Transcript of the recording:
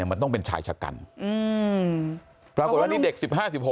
มันต้องเป็นชายชะกันปรากฏว่านี่เด็ก๑๕๑๖